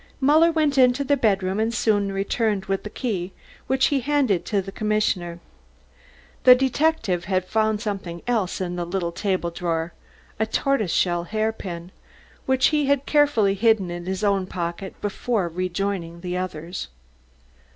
Muller went into the bedroom and soon returned with the key, which he handed to the commissioner. The detective had found something else in the little table drawer a tortoise shell hairpin, which he had carefully hidden in his own pocket before rejoining the others.